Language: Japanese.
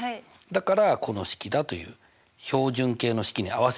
だからこの式だという標準形の式に合わせてくれたのね。